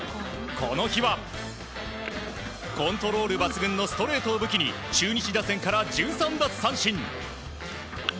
この日はコントロール抜群のストレートを武器に中日打線から１３奪三振。